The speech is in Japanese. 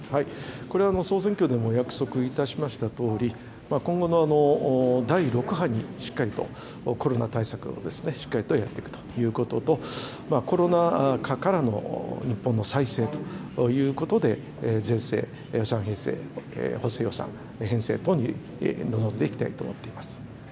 これは総選挙でも約束いたしましたとおり、今後の第６波にしっかりと、コロナ対策ですね、しっかりとやっていくということと、コロナ禍からの日本の再生ということで、税制、予算編成、補正予算編成等に臨んでいきたいと思っています。